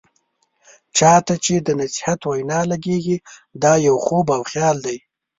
چا ته چې د نصيحت وینا لګیږي، دا يو خوب او خيال دی.